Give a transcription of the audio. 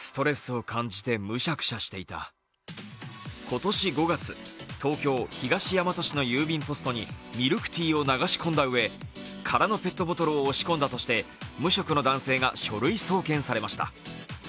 今年５月、東京・東大和市の郵便ポストにミルクティーを流し込んだうえ空のペットボトルを押し込んだとして無職の男性が書類送検されました。